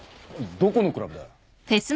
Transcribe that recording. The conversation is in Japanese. どこのクラブだ？